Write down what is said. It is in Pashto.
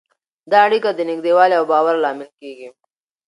دا اړیکه د نږدېوالي او باور لامل کېږي.